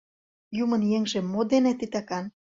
Юмын еҥже мо дене титакан?